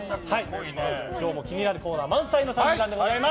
今日も気になるコーナー満載の３時間でございます。